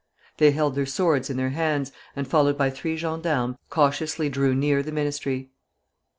They held their swords in their hands, and, followed by three gendarmes, cautiously drew near the Ministry.